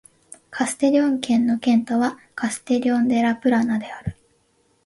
カステリョン県の県都はカステリョン・デ・ラ・プラナである